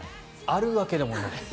あるわけでもない。